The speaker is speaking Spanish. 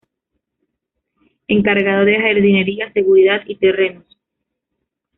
Encargado de jardinería, seguridad y terrenos.